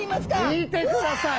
見てください。